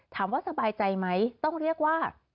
ถามว่าสบายใจไหมต้องเรียกว่า